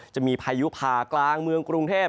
จะมีพายุผ่ากลางเมืองกรุงเทพ